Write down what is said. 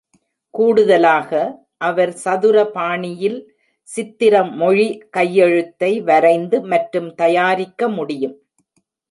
கூடுதலாக, அவர் சதுர பாணியில் சித்திரமொழி கையெழுத்தை வரைந்து மற்றும் தயாரிக்க முடியும்.